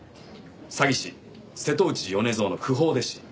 「『詐欺師・瀬戸内米蔵の附法弟子！』」